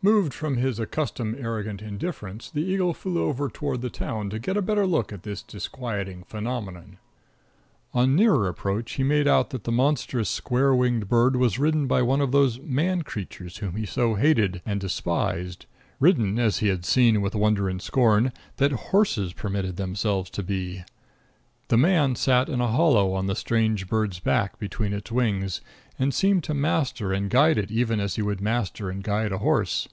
Moved from his accustomed arrogant indifference, the eagle flew over toward the town to get a better look at this disquieting phenomenon. On nearer approach he made out that the monstrous square winged bird was ridden by one of those man creatures whom he so hated and despised ridden as he had seen, with wonder and scorn, that horses permitted themselves to be. The man sat in a hollow in the strange bird's back, between its wings, and seemed to master and guide it even as he would master and guide a horse.